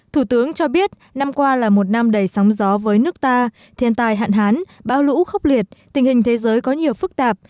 thủ tướng cho biết năm qua là một năm đầy sóng gió với nước ta thiên tai hạn hán bão lũ khốc liệt tình hình thế giới có nhiều phức tạp